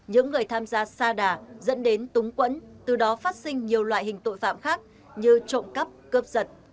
những người tham gia sa đà dẫn đến túng quẫn từ đó phát sinh nhiều loại hình tội phạm khác như trộm cắp cướp giật